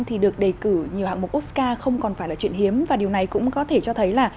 thì được đề cử nhiều hạng mục oscar không còn phải là chuyện hiếm và điều này cũng có thể cho thấy là